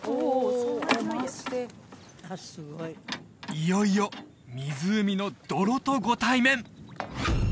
いよいよ湖の泥とご対面！